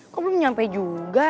kok belum sampai juga